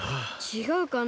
ちがうかな。